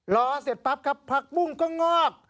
รอเสร็จปั๊บครับผักบุ้งก็งอก